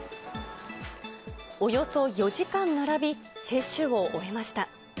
およそ４時間並び、接種を終えました。